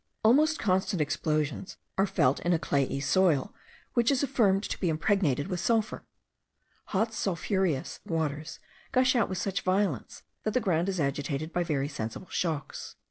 Almost constant explosions are felt in a clayey soil, which is affirmed to be impregnated with sulphur. Hot sulphureous waters gush out with such violence that the ground is agitated by very sensible shocks.